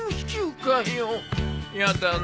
やだな。